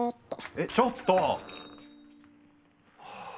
えちょっと！